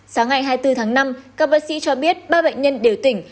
sáng ngày hai mươi bốn tháng năm các bác sĩ cho biết ba bệnh nhân điều tỉnh